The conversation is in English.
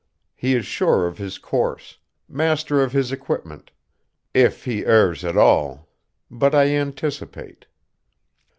He is sure of his course, master of his equipment. If he errs at all but I anticipate.